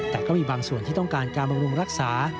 แต่ก็มีบางส่วนที่ต้องการการบำรุงรักษา